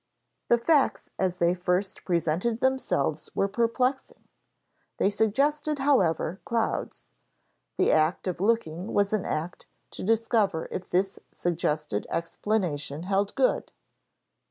The facts as they first presented themselves were perplexing; they suggested, however, clouds. The act of looking was an act to discover if this suggested explanation held good.